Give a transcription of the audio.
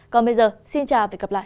còn bây giờ xin chào và hẹn gặp lại